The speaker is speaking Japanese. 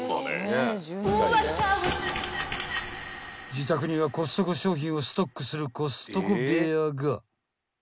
［自宅にはコストコ商品をストックするコストコ部屋が］